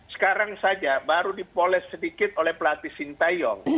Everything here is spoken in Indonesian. sekarang saja baru dipoles sedikit oleh pelatih sintayong